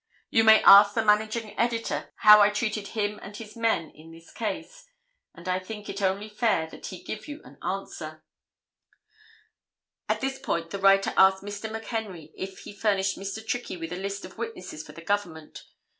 You may ask the managing editor how I treated him and his men in this case, and I think it only fair that he give you an answer." At this point the writer asked Mr. McHenry if he furnished Mr. Trickey with a list of the witnesses for the government.